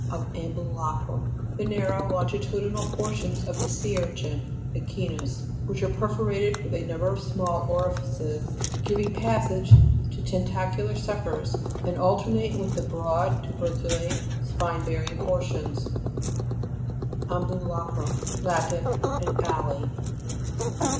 of ambula crum. The narrow longitudinal portions of the sea urchin (Echi nus), which are perforated with a number of small orifices, giving passage to tentacular suckers, and alternate with the broad tuberculate spine bearing portions, (p. 54.) AMBTJLA'CRUM Lat. An alley.